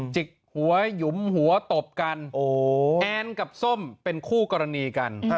จิกหัวหยุมหัวตบกันแอนกับส้มเป็นคู่กรณีกัน